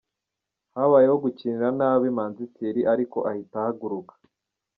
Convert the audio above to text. Habayeho gukinira nabi Manzi Thierry ariko ahita ahaguruka.